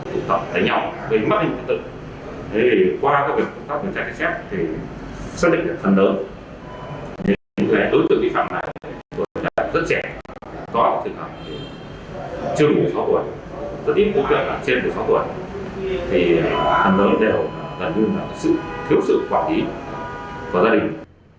có thể là trường hợp sáu tuổi rất ít phương tiện là trên sáu tuổi thì phần lớn gần như là sự thiếu sự quản lý của gia đình